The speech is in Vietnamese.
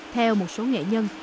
theo một số nghệ nhân